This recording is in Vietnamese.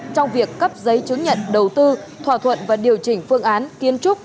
trong việc cấp giấy chứng nhận đầu tư thỏa thuận và điều chỉnh phương án kiến trúc